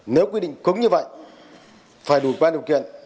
nếu quy định cứng như vậy phải đủ ba điều kiện